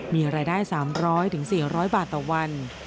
มีรายได้๓๐๐๔๐๐บาทต่อวัน